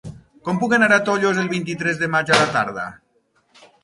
Com puc anar a Tollos el vint-i-tres de maig a la tarda?